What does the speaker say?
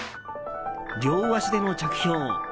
両足での着氷。